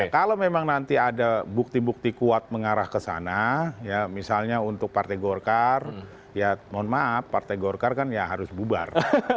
kalau memang nanti ada bukti bukti kuat mengarah ke sana ya misalnya untuk partai golkar ya mohon maaf partai golkar kan ya harus bubar